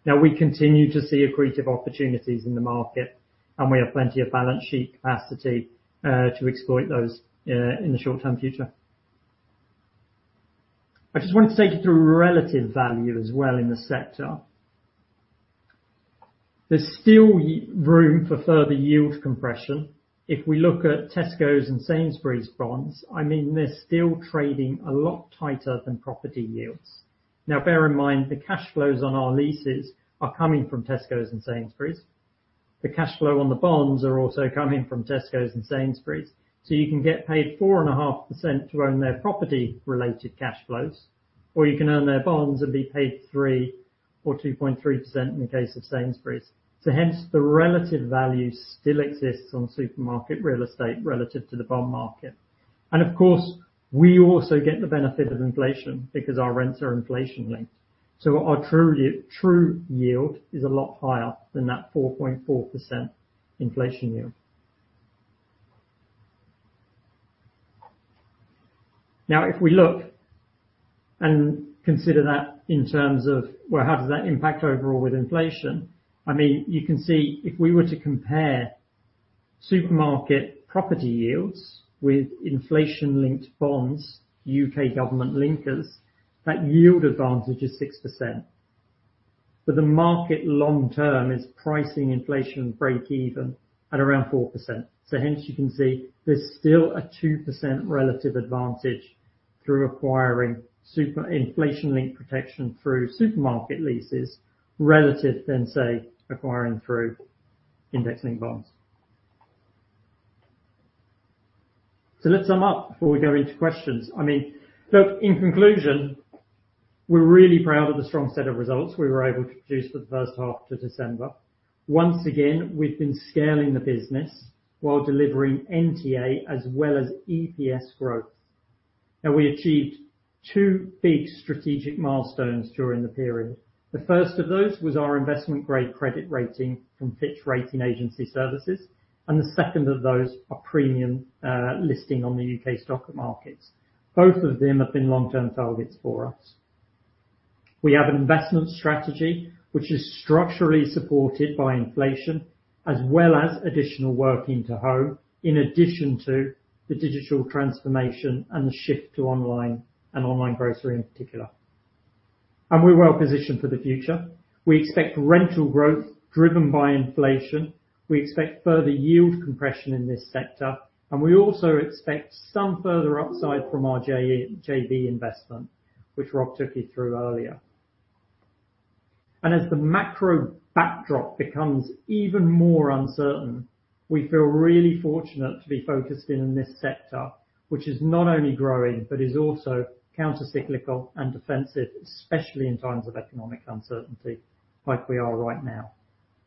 Now, we continue to see accretive opportunities in the market, and we have plenty of balance sheet capacity to exploit those in the short-term future. I just want to take you through relative value as well in the sector. There's still room for further yield compression. If we look at Tesco's and Sainsbury's bonds, I mean, they're still trading a lot tighter than property yields. Now, bear in mind, the cash flows on our leases are coming from Tesco's and Sainsbury's. The cash flow on the bonds are also coming from Tesco's and Sainsbury's. You can get paid 4.5% to own their property-related cash flows, or you can own their bonds and be paid 3% or 2.3% in the case of Sainsbury's. Hence, the relative value still exists on supermarket real estate relative to the bond market. Of course, we also get the benefit of inflation because our rents are inflation-linked. Our true yield is a lot higher than that 4.4% inflation yield. Now, if we look and consider that in terms of, well, how does that impact overall with inflation? I mean, you can see if we were to compare supermarket property yields with inflation-linked bonds, U.K. government linkers, that yield advantage is 6%. The market long term is pricing inflation breakeven at around 4%. Hence, you can see there's still a 2% relative advantage through acquiring supermarket inflation-linked protection through supermarket leases rather than, say, acquiring through index-linked bonds. Let's sum up before we go into questions. I mean, look, in conclusion, we're really proud of the strong set of results we were able to produce for the first half to December. Once again, we've been scaling the business while delivering NTA as well as EPS growth. Now, we achieved two big strategic milestones during the period. The first of those was our investment-grade credit rating from Fitch Ratings, and the second of those is premium listing on the U.K. stock markets. Both of them have been long-term targets for us. We have an investment strategy which is structurally supported by inflation, as well as additional work from home, in addition to the digital transformation and the shift to online grocery in particular. We're well positioned for the future. We expect rental growth driven by inflation. We expect further yield compression in this sector, and we also expect some further upside from our JV investment, which Rob took you through earlier. As the macro backdrop becomes even more uncertain, we feel really fortunate to be focused in this sector, which is not only growing, but is also counter-cyclical and defensive, especially in times of economic uncertainty, like we are right now.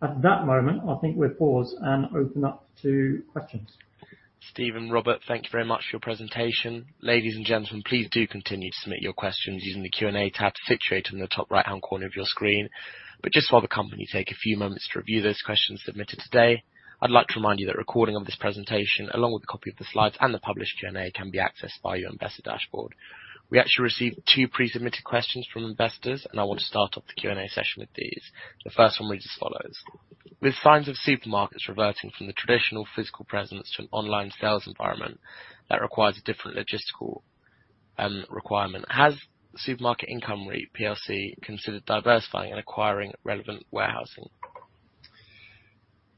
At that moment, I think we'll pause and open up to questions. Steven, Robert, thank you very much for your presentation. Ladies and gentlemen, please do continue to submit your questions using the Q&A tab situated in the top right-hand corner of your screen. Just while the company take a few moments to review those questions submitted today, I'd like to remind you that a recording of this presentation, along with a copy of the slides and the published Q&A, can be accessed by your investor dashboard. We actually received two pre-submitted questions from investors, and I want to start off the Q&A session with these. The first one reads as follows: With signs of supermarkets reverting from the traditional physical presence to an online sales environment that requires a different logistical requirement, has Supermarket Income REIT plc considered diversifying and acquiring relevant warehousing?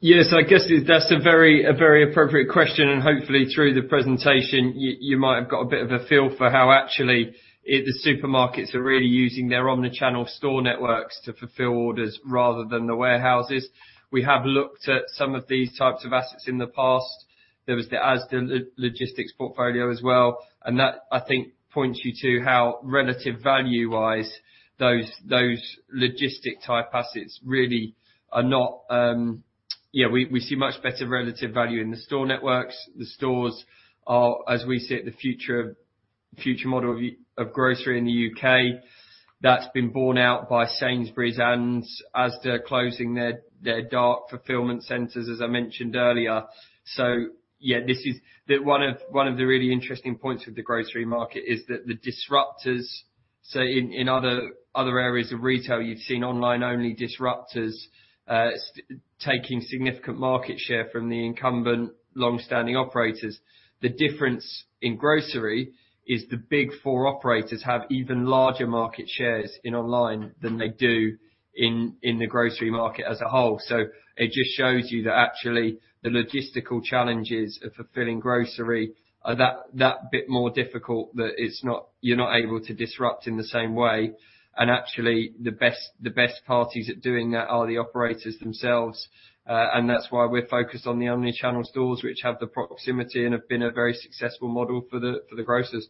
Yes, I guess that's a very appropriate question, and hopefully through the presentation you might have got a bit of a feel for how actually the supermarkets are really using their omnichannel store networks to fulfill orders rather than the warehouses. We have looked at some of these types of assets in the past. There was the Asda logistics portfolio as well, and that, I think, points you to how relative value-wise, those logistic-type assets really are not. Yeah, we see much better relative value in the store networks. The stores are, as we see it, the future model of grocery in the U.K. That's been borne out by Sainsbury's and Asda closing their dark fulfillment centers, as I mentioned earlier. One of the really interesting points with the grocery market is that the disruptors, say in other areas of retail, you've seen online-only disruptors taking significant market share from the incumbent long-standing operators. The difference in grocery is the Big Four operators have even larger market shares in online than they do in the grocery market as a whole. It just shows you that actually the logistical challenges of fulfilling grocery are that bit more difficult, that you're not able to disrupt in the same way. Actually, the best parties at doing that are the operators themselves. That's why we're focused on the omnichannel stores, which have the proximity and have been a very successful model for the grocers.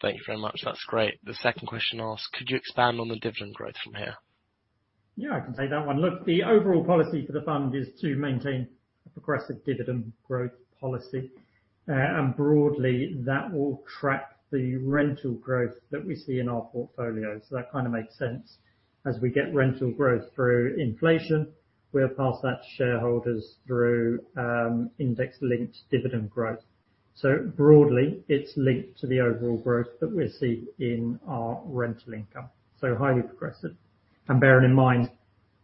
Thank you very much. That's great. The second question asks: Could you expand on the dividend growth from here? Yeah, I can take that one. Look, the overall policy for the fund is to maintain a progressive dividend growth policy. Broadly, that will track the rental growth that we see in our portfolio. That kinda makes sense. As we get rental growth through inflation, we'll pass that to shareholders through index-linked dividend growth. Broadly, it's linked to the overall growth that we're seeing in our rental income, so highly progressive. Bearing in mind,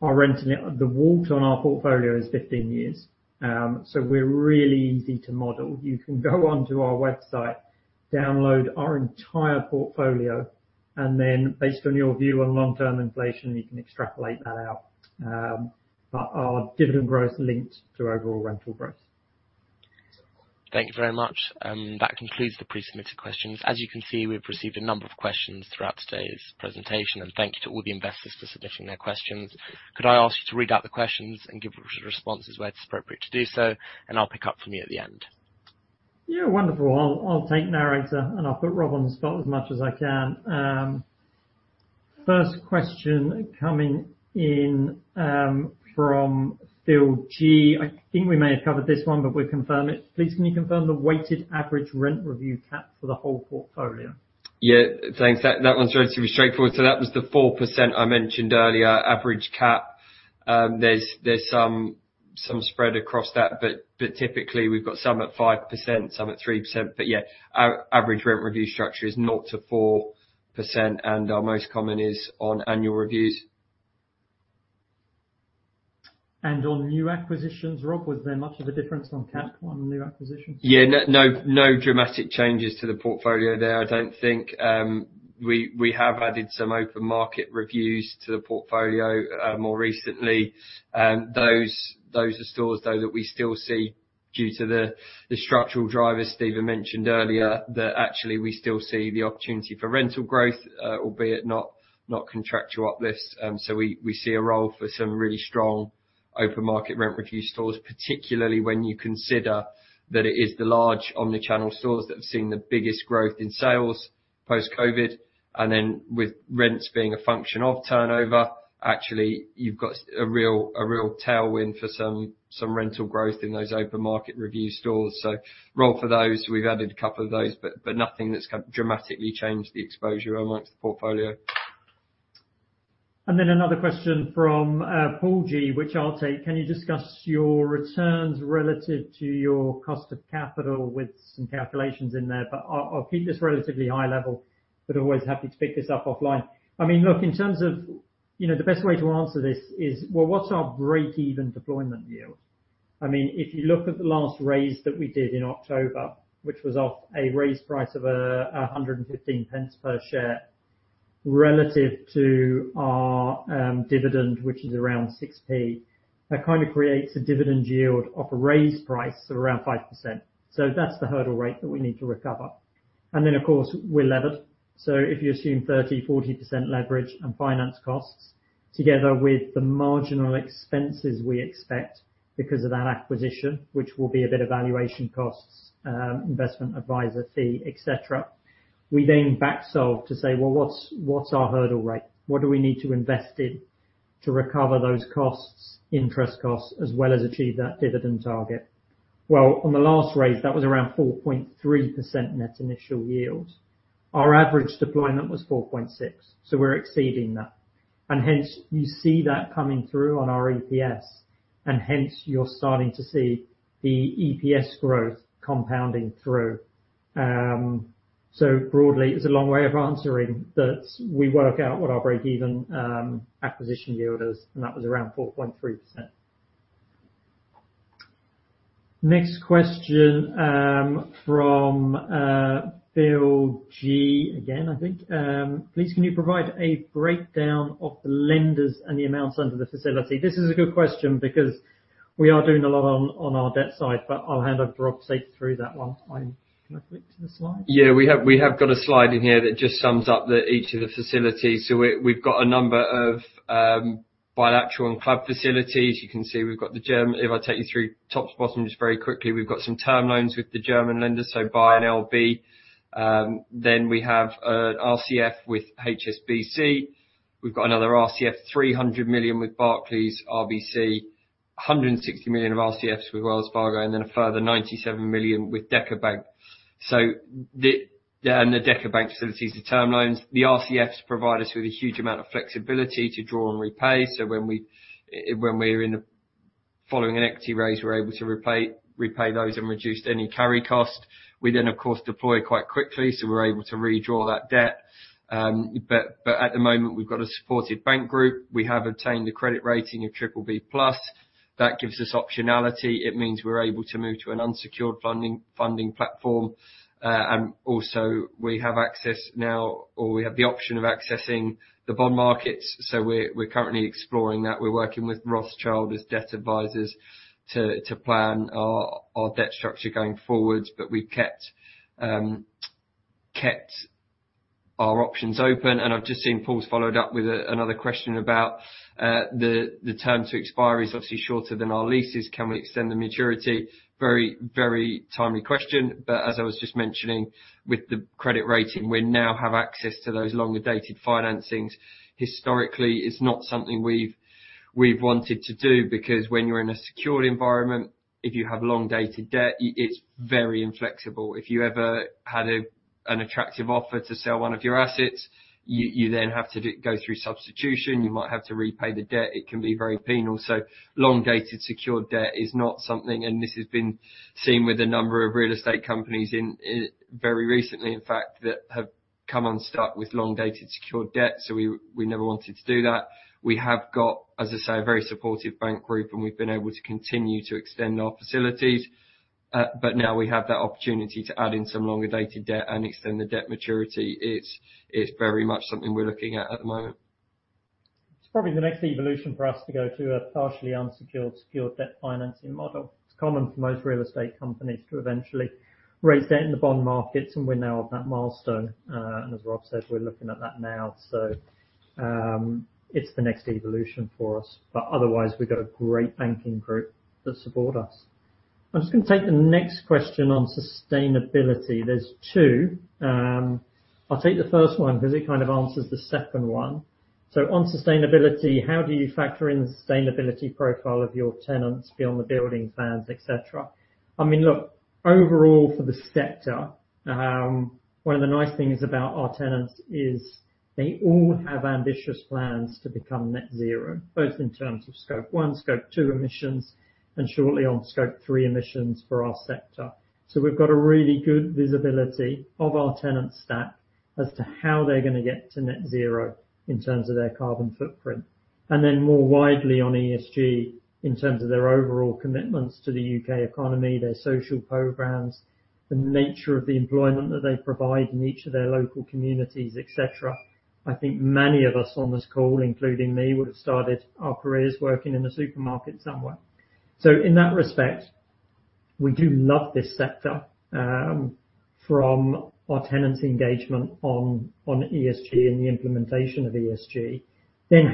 the WALT to our portfolio is 15 years, so we're really easy to model. You can go onto our website, download our entire portfolio, and then based on your view on long-term inflation, you can extrapolate that out. Our dividend growth is linked to overall rental growth. Thank you very much. That concludes the pre-submitted questions. As you can see, we've received a number of questions throughout today's presentation, and thank you to all the investors for submitting their questions. Could I ask you to read out the questions and give responses where it's appropriate to do so, and I'll pick up from you at the end. Yeah, wonderful. I'll take the narrative, and I'll put Rob on the spot as much as I can. First question coming in from Phil G. I think we may have covered this one, but we'll confirm it. Please, can you confirm the weighted average rent review cap for the whole portfolio? Yeah. Thanks. That one's relatively straightforward. That was the 4% I mentioned earlier, average cap. There's some spread across that, but typically, we've got some at 5%, some at 3%. Yeah, our average rent review structure is 0%-4%, and our most common is on annual reviews. On new acquisitions, Rob, was there much of a difference on cap on the new acquisitions? Yeah. No, no dramatic changes to the portfolio there, I don't think. We have added some open market reviews to the portfolio more recently. Those are stores, though, that we still see due to the structural drivers Steven mentioned earlier, that actually we still see the opportunity for rental growth, albeit not contractual uplifts. We see a role for some really strong open market rent review stores, particularly when you consider that it is the large omnichannel stores that have seen the biggest growth in sales post-COVID. And then with rents being a function of turnover, actually, you've got a real tailwind for some rental growth in those open market review stores. We've added a couple of those, but nothing that's dramatically changed the exposure among the portfolio. Another question from Paul G, which I'll take. Can you discuss your returns relative to your cost of capital with some calculations in there? I'll keep this relatively high level, but always happy to pick this up offline. I mean, look, in terms of, you know, the best way to answer this is, well, what's our break-even deployment yield? I mean, if you look at the last raise that we did in October, which was off a raise price of 115 pence per share, relative to our dividend, which is around 6p, that kind of creates a dividend yield of a raise price of around 5%. That's the hurdle rate that we need to recover. Of course, we're levered. If you assume 30%-40% leverage and finance costs together with the marginal expenses we expect because of that acquisition, which will be a bit of valuation costs, investment advisor fee, et cetera, we then back solve to say, "Well, what's our hurdle rate? What do we need to invest in to recover those costs, interest costs, as well as achieve that dividend target?" Well, on the last raise, that was around 4.3% net initial yield. Our average deployment was 4.6, so we're exceeding that. And hence you see that coming through on our EPS, and hence you're starting to see the EPS growth compounding through. Broadly, it's a long way of answering that we work out what our break-even acquisition yield is, and that was around 4.3%. Next question, from Bill G again, I think. Please can you provide a breakdown of the lenders and the amounts under the facility? This is a good question because we are doing a lot on our debt side, but I'll hand over Rob to take you through that one. Can I flip to the slide? Yeah. We have got a slide in here that just sums up each of the facilities. We've got a number of bilateral and club facilities. You can see we've got. If I take you through top to bottom just very quickly. We've got some term loans with the German lenders, so BayernLB. Then we have an RCF with HSBC. We've got another RCF, 300 million with Barclays, RBC, 160 million of RCFs with Wells Fargo, and then a further 97 million with DekaBank. The DekaBank facilities, the term loans, the RCFs provide us with a huge amount of flexibility to draw and repay. When we're following an equity raise, we're able to repay those and reduce any carry cost. We, of course, deploy quite quickly, so we're able to redraw that debt. At the moment, we've got a supported bank group. We have obtained the credit rating of BBB+. That gives us optionality. It means we're able to move to an unsecured funding platform. Also we have access now, or we have the option of accessing the bond markets. We're currently exploring that. We're working with Rothschild as debt advisors to plan our debt structure going forward. We've kept our options open. I've just seen Paul's followed up with another question about the term to expire is obviously shorter than our leases. Can we extend the maturity? Very timely question. As I was just mentioning, with the credit rating, we now have access to those longer-dated financings. Historically, it's not something we've wanted to do because when you're in a secured environment, if you have long-dated debt, it's very inflexible. If you ever had an attractive offer to sell one of your assets, you then have to go through substitution. You might have to repay the debt. It can be very penal. Long-dated secured debt is not something, and this has been seen with a number of real estate companies very recently, in fact, that have come unstuck with long-dated secured debt. We never wanted to do that. We have got, as I say, a very supportive bank group, and we've been able to continue to extend our facilities. Now we have that opportunity to add in some longer-dated debt and extend the debt maturity. It's very much something we're looking at at the moment. It's probably the next evolution for us to go to a partially unsecured, secured debt financing model. It's common for most real estate companies to eventually raise debt in the bond markets, and we're now at that milestone. As Rob said, we're looking at that now. It's the next evolution for us. Otherwise, we've got a great banking group that support us. I'm just gonna take the next question on sustainability. There's two. I'll take the first one because it kind of answers the second one. On sustainability, how do you factor in the sustainability profile of your tenants beyond the building plans, et cetera? I mean, look, overall for the sector, one of the nice things about our tenants is they all have ambitious plans to become net zero, both in terms of Scope 1, Scope 2 emissions, and shortly on Scope 3 emissions for our sector. We've got a really good visibility of our tenant stack as to how they're gonna get to net zero in terms of their carbon footprint. More widely on ESG in terms of their overall commitments to the U.K. economy, their social programs, the nature of the employment that they provide in each of their local communities, et cetera. I think many of us on this call, including me, would have started our careers working in a supermarket somewhere. In that respect, we do love this sector, from our tenants' engagement on ESG and the implementation of ESG.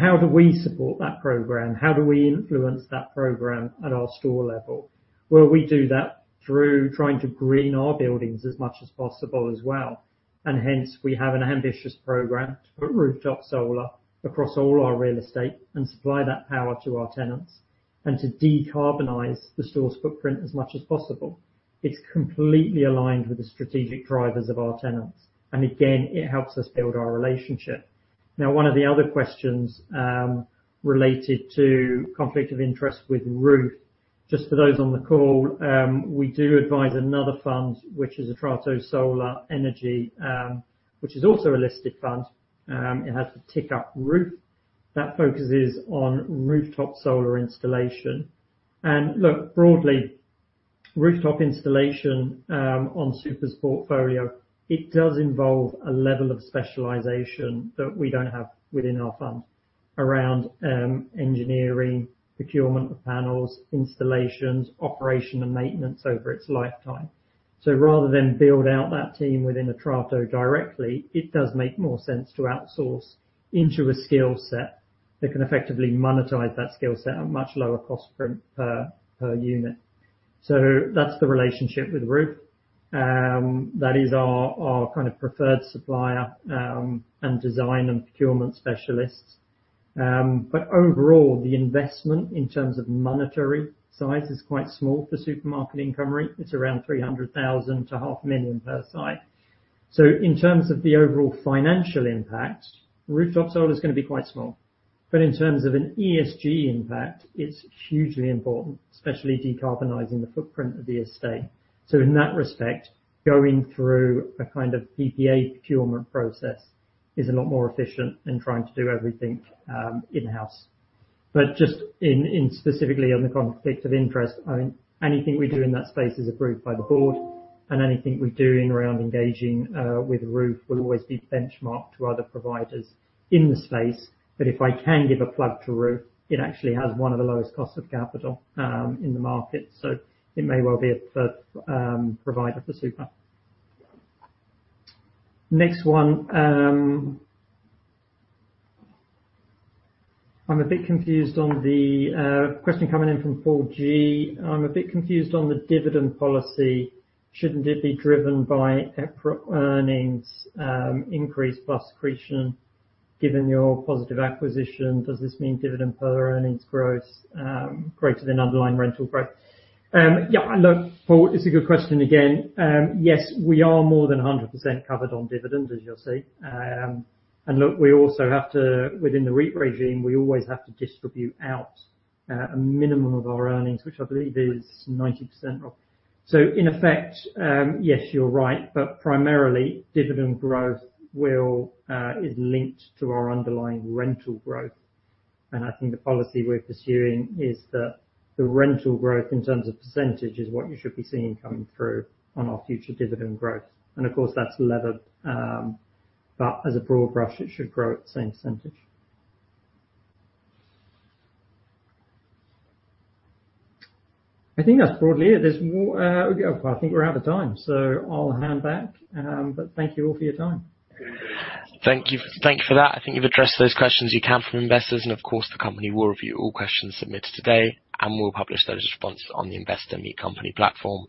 How do we support that program? How do we influence that program at our store level? Well, we do that through trying to green our buildings as much as possible as well. Hence, we have an ambitious program to put rooftop solar across all our real estate and supply that power to our tenants and to decarbonize the store's footprint as much as possible. It's completely aligned with the strategic drivers of our tenants, and again, it helps us build our relationship. Now, one of the other questions related to conflict of interest with ROOF. Just for those on the call, we do advise another fund which is Atrato Onsite Energy, which is also a listed fund. It has a ticker, ROOF, that focuses on rooftop solar installation. Look, broadly, rooftop installation on Super's portfolio, it does involve a level of specialization that we don't have within our fund around engineering, procurement of panels, installations, operation and maintenance over its lifetime. Rather than build out that team within Atrato directly, it does make more sense to outsource into a skill set that can effectively monetize that skill set at much lower cost per unit. That's the relationship with Roof. That is our kind of preferred supplier and design and procurement specialists. Overall, the investment in terms of monetary size is quite small for Supermarket Income REIT. It's around 300,000-GBP half million per site. In terms of the overall financial impact, rooftop solar is gonna be quite small. In terms of an ESG impact, it's hugely important, especially decarbonizing the footprint of the estate. In that respect, going through a kind of PPA procurement process is a lot more efficient than trying to do everything in-house. Just in specifically on the conflict of interest, I mean, anything we do in that space is approved by the board, and anything we're doing around engaging with ROOF will always be benchmarked to other providers in the space. If I can give a plug to ROOF, it actually has one of the lowest cost of capital in the market, so it may well be a preferred provider for Super. Next one, I'm a bit confused on the question coming in from Paul G. I'm a bit confused on the dividend policy. Shouldn't it be driven by EPRA earnings increase plus accretion, given your positive acquisition? Does this mean dividend per earnings growth greater than underlying rental growth? Yeah, look, Paul, it's a good question again. Yes, we are more than 100% covered on dividend, as you'll see. Look, we also have to, within the REIT regime, we always have to distribute out a minimum of our earnings, which I believe is 90%, Robert. In effect, yes, you're right. Primarily, dividend growth is linked to our underlying rental growth. I think the policy we're pursuing is that the rental growth in terms of percentage is what you should be seeing coming through on our future dividend growth. Of course, that's levered, but as a broad brush, it should grow at the same percentage. I think that's broadly it. There's more. I think we're out of time, so I'll hand back. Thank you all for your time. Thank you. Thank you for that. I think you've addressed those questions you can from investors, and of course, the company will review all questions submitted today, and we'll publish those responses on the Investor Meet Company platform.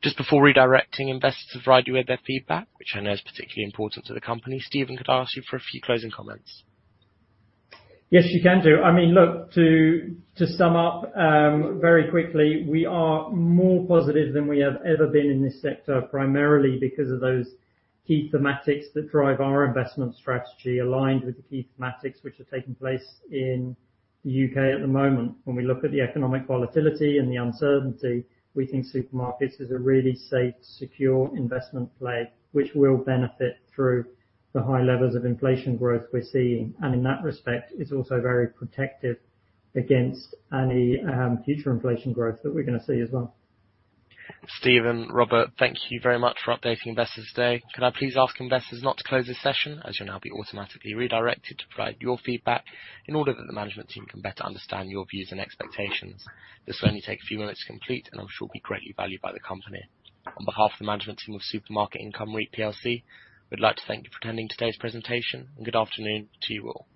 Just before redirecting investors to provide you with their feedback, which I know is particularly important to the company, Steven, could I ask you for a few closing comments? Yes, you can do. I mean, look, to sum up, very quickly, we are more positive than we have ever been in this sector, primarily because of those key thematics that drive our investment strategy, aligned with the key thematics which are taking place in the U.K. at the moment. When we look at the economic volatility and the uncertainty, we think supermarkets is a really safe, secure investment play, which will benefit through the high levels of inflation growth we're seeing. In that respect, it's also very protective against any future inflation growth that we're gonna see as well. Steven, Rob, thank you very much for updating investors today. Could I please ask investors not to close this session, as you'll now be automatically redirected to provide your feedback in order that the management team can better understand your views and expectations. This will only take a few minutes to complete and I'm sure will be greatly valued by the company. On behalf of the management team of Supermarket Income REIT PLC, we'd like to thank you for attending today's presentation, and good afternoon to you all.